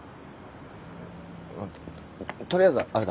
とりあえずあれだ。